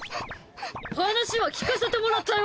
話は聞かせてもらったよ！